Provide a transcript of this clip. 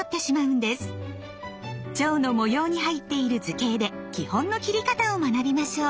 蝶の模様に入っている図形で基本の切り方を学びましょう！